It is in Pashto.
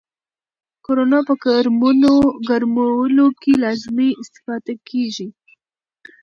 کورونو په ګرمولو کې لازمې استفادې کیږي.